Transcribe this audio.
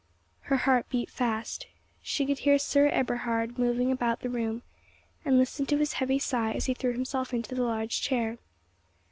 Her heart beat fast. She could hear Sir Eberhard moving about the room, and listened to his heavy sigh as he threw himself into the large chair.